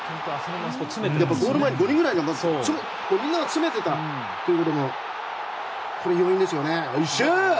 ゴール前に５人くらいがみんなが詰めてたというのも要因でしたよね。